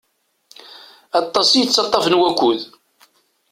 Aṭas i yettaṭaf n wakud.